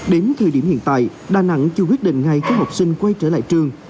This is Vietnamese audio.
đến thời điểm hiện tại đà nẵng chưa quyết định ngay khi học sinh quay trở lại trường